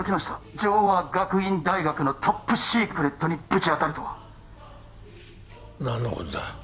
城和学院大学のトップシークレットにぶちあたるとは何のことだ